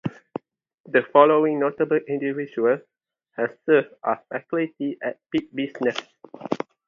The following notable individuals have served as faculty at Pitt Business.